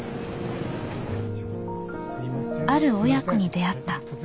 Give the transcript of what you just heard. ある親子に出会った。